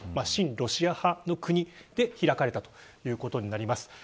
親ロシア派の国で開かれたということになります。